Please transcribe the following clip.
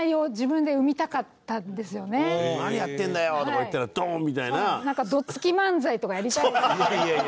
「何やってんだよ」とか言ったらドーン！みたいな。